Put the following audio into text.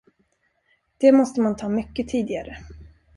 Det måste man ta mycket tidigare.